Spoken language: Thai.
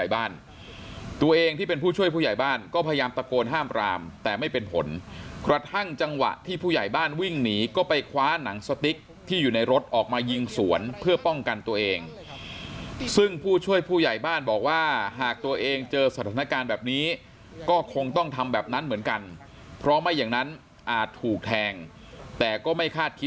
บ้านตัวเองที่เป็นผู้ช่วยผู้ใหญ่บ้านก็พยายามตะโกนห้ามปรามแต่ไม่เป็นผลกระทั่งจังหวะที่ผู้ใหญ่บ้านวิ่งหนีก็ไปคว้าหนังสติ๊กที่อยู่ในรถออกมายิงสวนเพื่อป้องกันตัวเองซึ่งผู้ช่วยผู้ใหญ่บ้านบอกว่าหากตัวเองเจอสถานการณ์แบบนี้ก็คงต้องทำแบบนั้นเหมือนกันเพราะไม่อย่างนั้นอาจถูกแทงแต่ก็ไม่คาดคิด